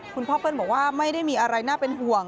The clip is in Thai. เปิ้ลบอกว่าไม่ได้มีอะไรน่าเป็นห่วง